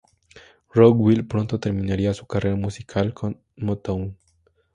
Rockwell pronto terminaría su carrera musical con Motown.